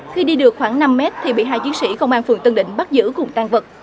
khi đi được khoảng năm mét thì bị hai chiến sĩ công an phường tân định bắt giữ cùng tan vật